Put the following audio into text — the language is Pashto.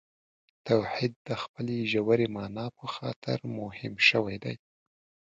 توحید د خپلې ژورې معنا په خاطر مهم شوی دی.